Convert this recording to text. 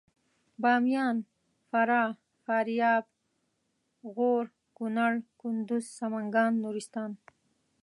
باميان فراه فاریاب غور کنړ کندوز سمنګان نورستان